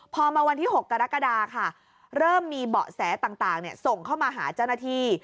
พอมาวันที่๖กรกฎาค่ะเริ่มมีเบาะแสต่างส่งเข้ามาหาเจ้าหน้าที่